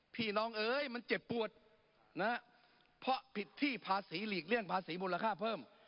พี่น้องเอ้ยมันเจ็บปวดนะเพราะผิดที่ภาษีหลีกเลี่ยงภาษีมูลค่าเพิ่ม